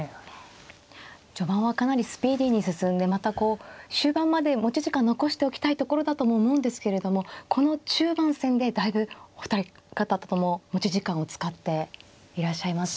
序盤はかなりスピーディーに進んでまたこう終盤まで持ち時間残しておきたいところだとも思うんですけれどもこの中盤戦でだいぶお二方とも持ち時間を使っていらっしゃいますね。